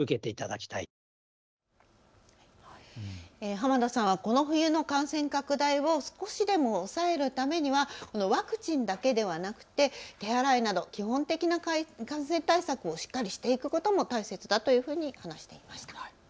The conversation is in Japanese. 濱田さんはこの冬の感染拡大を少しでも抑えるためにはワクチンだけではなくて手洗いなど基本的な感染対策をしっかりしていくことも大切だというふうに話していました。